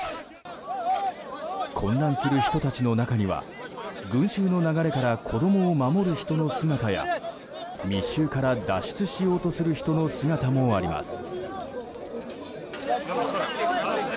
混乱する人たちの中には群衆の流れから子供を守る人の姿や密集から脱出しようとする人の姿もあります。